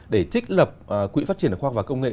để trích lập quỹ phát triển khoa học và công nghệ